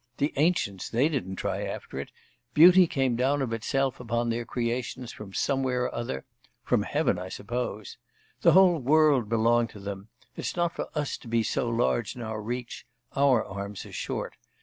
The ancients, they didn't try after it; beauty came down of itself upon their creations from somewhere or other from heaven, I suppose. The whole world belonged to them; it's not for us to be so large in our reach; our arms are short.